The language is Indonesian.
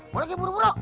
boleh ya buru buru